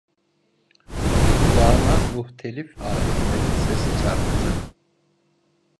Kulağına muhtelif aletlerin sesi çarptı.